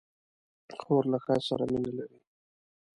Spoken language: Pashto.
خور له ښایست سره مینه لري.